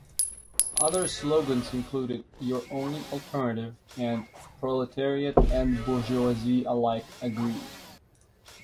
Other slogans included "your only alternative" and "proletariat and bourgeoisie alike agree!